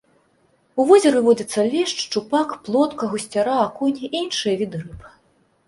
У возеры водзяцца лешч, шчупак, плотка, гусцяра, акунь і іншыя віды рыб.